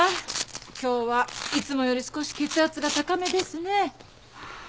今日はいつもより少し血圧が高めですね。